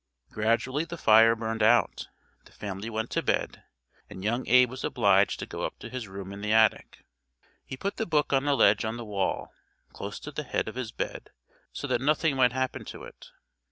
Gradually the fire burned out, the family went to bed, and young Abe was obliged to go up to his room in the attic. He put the book on a ledge on the wall close to the head of his bed so that nothing might happen to it.